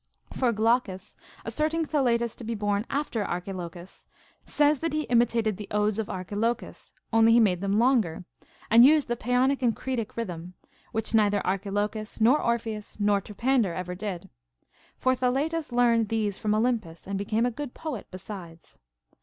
For Glaucus, asserting Thaletas to be born after Archilochus, says that he imitated the odes of xlrchilochus, only he made them longer, and used the Paeonic and Cretic rhythm, which neither Archilochus nor Orpheus nor Terpander ever did ; for Thaletas learned these from Olympus, and became a good poet besides.